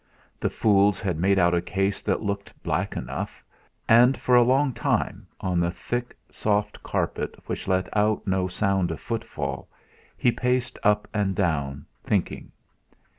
The fools had made out a case that looked black enough. And for a long time, on the thick soft carpet which let out no sound of footfall, he paced up and down, thinking.